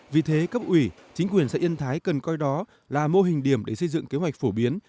vì thế cấp ủy chính quyền xã yên thái cần coi đó là mô hình điểm để xây dựng kế hoạch phổ biến